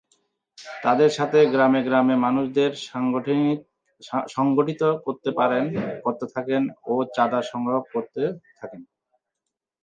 তাদের সাথে গ্রামে গ্রামে মানুষদের সংগঠিত করতে থাকেন ও চাঁদা সংগ্রহ করতে থাকেন।